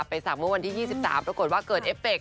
สักเมื่อวันที่๒๓ปรากฏว่าเกิดเอฟเค